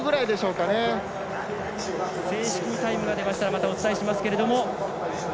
正式にタイムが出ましたらお伝えしますけれども。